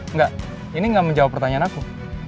enggak ini enggak menjawab pertanyaan aku